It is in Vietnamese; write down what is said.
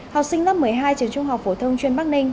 học sinh lớp một mươi hai trường trung học phổ thông chuyên bắc ninh